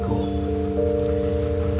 harus akang yang nego